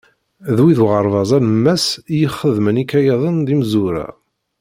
D wid uɣerbaz alemmas i ixeddmen ikayaden d imezwura.